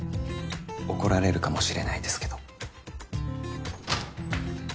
怒られるかもしれないですけど。